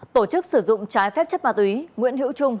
tổ chức sử dụng trái phép chất ma túy nguyễn hữu trung